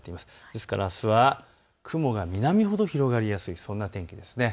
ですからあすは雲が南ほど広がりやすい天気です。